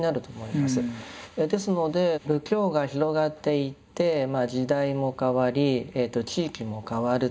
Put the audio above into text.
ですので仏教が広がっていって時代も変わり地域も変わると。